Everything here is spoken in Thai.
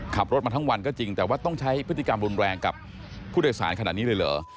ขับรถมาทั้งวันก็จริงแต่ว่าต้องใช้พฤติกรรมรุนแรงกับผู้โดยสารขนาดนี้เลยเหรอ